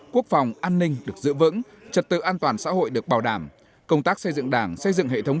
quốc phòng an ninh được giữ vững trật tự an toàn xã hội được bảo đảm công tác xây dựng đảng